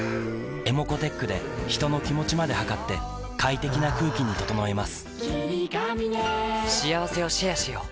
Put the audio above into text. ｅｍｏｃｏーｔｅｃｈで人の気持ちまで測って快適な空気に整えます